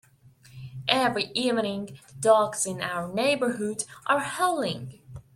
Every evening, the dogs in our neighbourhood are howling.